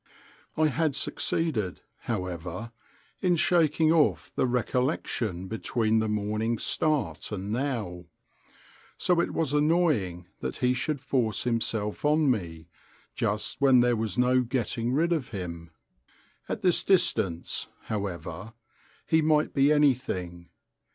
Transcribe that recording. I had succeeded, however, in shaking off the recollection between the morning's start and now; so it was annoying that he should force himself on me, just when there was no getting rid of him. At this distance, however, he might be anything.